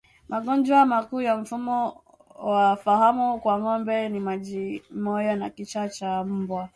Magonjwa makuu ya mfumo wa fahamu kwa ngombe ni majimoyo na kichaa cha mbwa